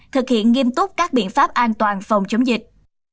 thực hiện nghiêm túc các biện pháp an toàn phòng chống dịch